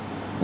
có thể nói là